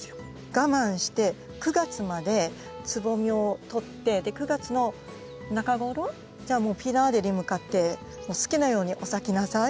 我慢して９月までつぼみを取って９月の中頃じゃあもうフィナーレに向かって好きなようにお咲きなさい